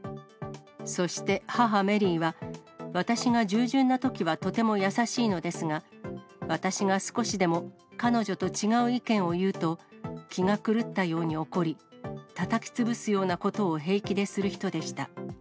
そして、母、メリーは、私が従順なときはとても優しいのですが、私が少しでも彼女と違う意見を言うと、気が狂ったように怒り、たたきつぶすようなことを平気でする人でした。